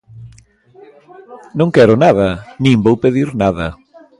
Non quero nada nin vou pedir nada.